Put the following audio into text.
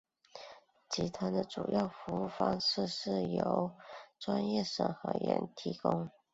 集团的主要服务方式是由专业审核员提供与行业标准或客户特定要求相关的审核服务。